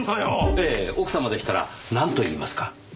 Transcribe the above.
ええ奥様でしたらなんと言いますか？